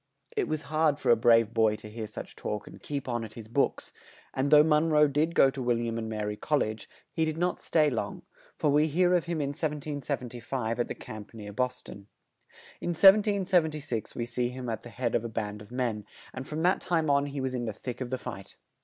It was hard for a brave boy to hear such talk and yet keep on at his books, and though Mon roe did go to Wil liam and Mary Col lege, he did not stay long, for we hear of him in 1775 at the camp near Bos ton. In 1776 we see him at the head of a band of men, and from that time on he was in the thick of the fight.